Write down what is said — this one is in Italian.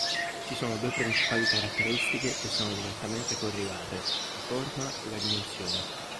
Ci sono due principali caratteristiche che sono direttamente correlate, la forma e la dimensione.